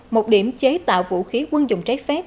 một điểm chế tạo vũ khí quân dụng trái phép